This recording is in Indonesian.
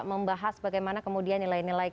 membahas bagaimana kemudian nilai nilai